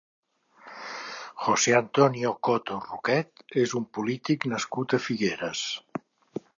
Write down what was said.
José Antonio Coto Roquet és un polític nascut a Figueres.